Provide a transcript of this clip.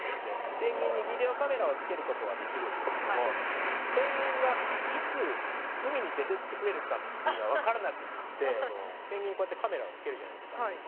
ペンギンにビデオカメラをつけることはできるんですけどもペンギンがいつ海に出てってくれるかっていうのが分からなくってペンギンにこうやってカメラをつけるじゃないですか。